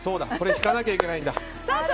引かなきゃいけないんだ。